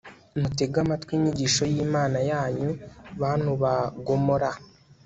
mutege amatwi inyigisho y'imana yanyu, bantu ba gomora